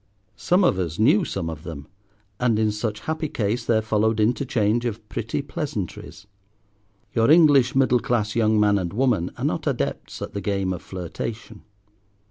Some of us knew some of them, and in such happy case there followed interchange of pretty pleasantries. Your English middle class young man and woman are not adepts at the game of flirtation.